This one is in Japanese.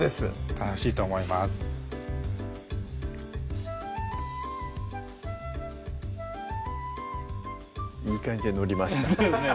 楽しいと思いますいい感じで載りましたそうですね